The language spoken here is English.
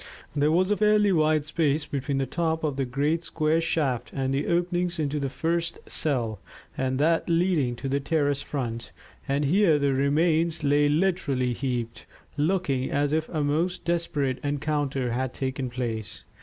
There was a fairly wide space between the top of the great square shaft and the openings into the first cell and that leading to the terrace front, and here the remains lay literally heaped, looking as if a most desperate encounter had taken place.